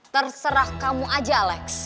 terserah kamu aja alex